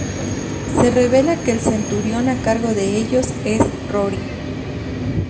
Se revela que el centurión a cargo de ellos es Rory.